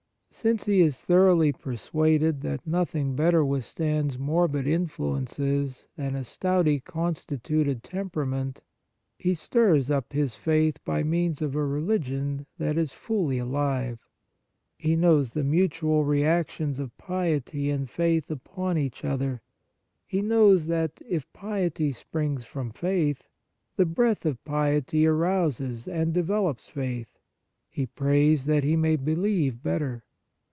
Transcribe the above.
Since he is thoroughly persuaded that nothing better withstands morbid influences than a stoutly constituted temperament, he stirs up his faith by means of a religion that is fully alive. He knows the mutual reactions of piety and faith upon each other ; he knows that, if piety springs from faith, the breath of piety arouses and develops faith. He prays that he may believe better.